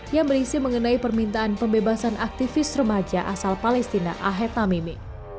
yang berisi mengenai permintaan pembebasan aktivis remaja asal palestina ahetamimi